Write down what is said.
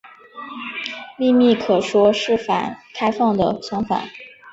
秘密可说是开放的相反。